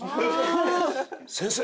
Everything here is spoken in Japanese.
先生！？